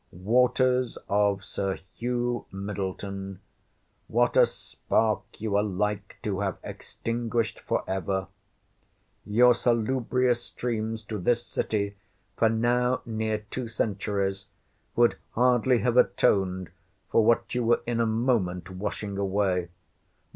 Waters of Sir Hugh Middleton—what a spark you were like to have extinguished for ever! Your salubrious streams to this City, for now near two centuries, would hardly have atoned for what you were in a moment washing away.